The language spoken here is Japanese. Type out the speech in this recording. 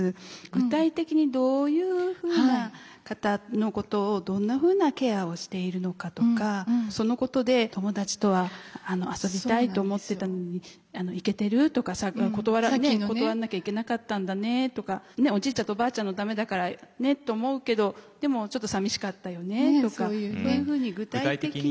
具体的に「どういうふうな方のことをどんなふうなケアをしているのか」とか「そのことで友達とは遊びたいと思ってたのに行けてる？」とか「断らなきゃいけなかったんだね」とか「おじいちゃんとおばあちゃんのためだからねと思うけどでもちょっとさみしかったよね」とかそういうふうに具体的に。